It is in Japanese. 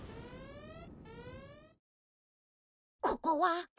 ここは？